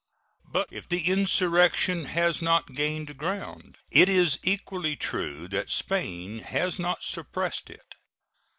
But if the insurrection has not gained ground, it is equally true that Spain has not suppressed it.